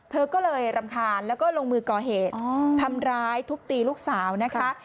เธอก็เลยรำคาญแล้วก็ลงมือก่อเหตุทำร้ายทุบตีลูกสาวนะคะ